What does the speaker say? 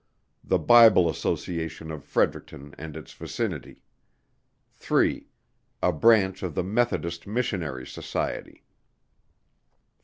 The Bible Association of Fredericton and its vicinity. 3. A Branch of the Methodist Missionary Society. 4.